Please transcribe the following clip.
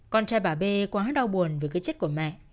con trai bà b quá đau buồn với cái chết của mẹ